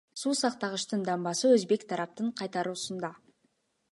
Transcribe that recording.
Суу сактагычтын дамбасы өзбек тараптын кайтаруусунда.